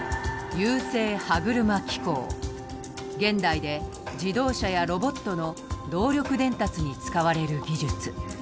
現代で自動車やロボットの動力伝達に使われる技術。